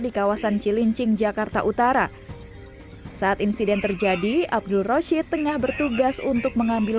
di kawasan cilincing jakarta utara saat insiden terjadi abdul rashid tengah bertugas untuk mengambil